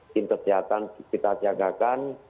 kini kesehatan kita jagakan